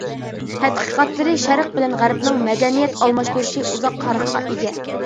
تەتقىقاتلىرى شەرق بىلەن غەربنىڭ مەدەنىيەت ئالماشتۇرۇشى ئۇزاق تارىخقا ئىگە.